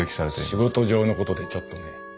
仕事上のことでちょっとね。